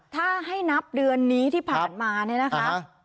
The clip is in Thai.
ถ้าให้นับเดือนนี้ที่ผ่านมาเนี่ยนะคะ